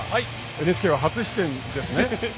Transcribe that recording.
ＮＨＫ初出演ですね。